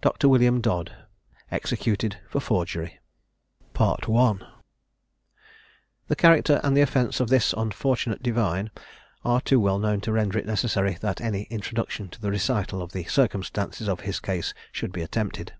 DR. WILLIAM DODD. EXECUTED FOR FORGERY. The character and the offence of this unfortunate divine are too well known to render it necessary that any introduction to the recital of the circumstances of his case should be attempted.